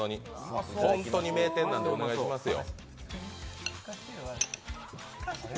本当に名店なんでお願いしますよ。